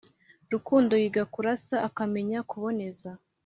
rukundo Yiga kurasa, akamenya kuboneza